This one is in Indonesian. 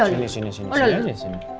oh dia mau ke omanya